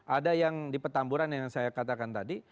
ada yang di petamburan yang saya katakan tadi